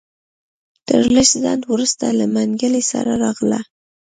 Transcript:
تر لږ ځنډ وروسته له منګلي سره راغله.